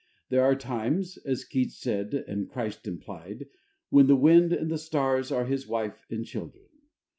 There are times (as Keats said and Christ implied) when the wind and the stars are his wife and children.